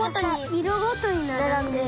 いろごとにならんでる。